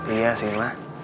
iya sih ma